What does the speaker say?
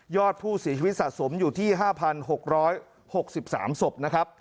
ยอดผู้ศีลชีวิตสะสมอยู่ที่๕๖๖๓ศพ